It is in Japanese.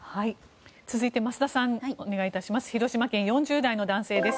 続いて増田さんお願いします。